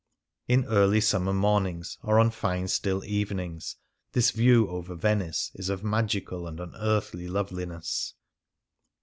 In early summer morn ings, or on fine still evenings, this view over Venice is of magical and unearthly loveliness.